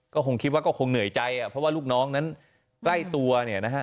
ก็คงคิดว่าก็คงเหนื่อยใจเพราะว่าลูกน้องนั้นใกล้ตัวเนี่ยนะฮะ